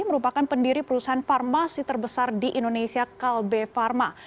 merupakan pendiri perusahaan farmasi terbesar di indonesia kalbe pharma